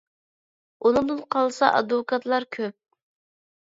ئۇنىڭدىن قالسا ئادۋوكاتلار كۆپ.